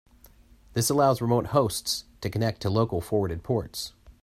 This allows remote hosts to connect to local forwarded ports.